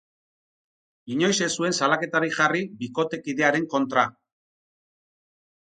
Inoiz ez zuen salaketarik jarri bikotekidearen kontra.